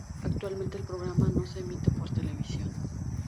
Actualmente el programa no se emite por televisión.